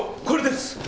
これです。